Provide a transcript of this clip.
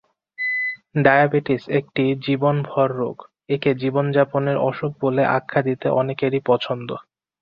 Diabetes একটি জীবনভর রোগ, একে জীবনযাপনের অসুখ বলে আখ্যা দিতে অনেকেরই পছন্দ।